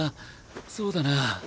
そうだな。